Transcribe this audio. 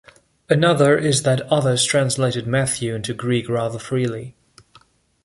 Another is that others translated Matthew into Greek rather freely.